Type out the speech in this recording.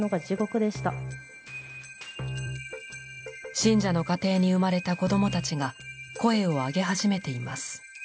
信者の家庭に生まれた子供たちが声を上げ始めています。